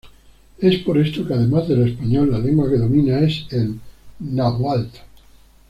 Es por esto, que además del español la lengua que domina es el náhuatl.